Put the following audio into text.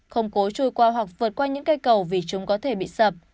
không cố chui qua hoặc vượt qua những cây cầu vì chúng có thể bị sập